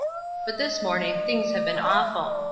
But this morning things have been awful.